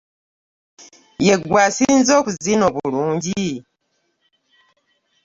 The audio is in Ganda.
Yegwe asinze okuzina obulungi.